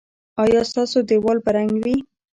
ایا ستاسو دیوال به رنګ وي؟